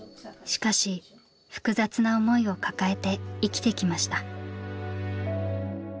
しかし複雑な思いを抱えて生きてきました。